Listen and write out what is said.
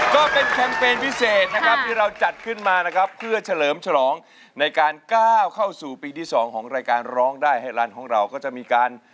ก็เป็นแคมเปญพิเศษนะครับที่เราจัดขึ้นมานะครับเพื่อเฉลิมฉลองในการก้าวเข้าสู่ปีที่๒ของรายการร้องได้ให้ร้านของเราก็จะมีการ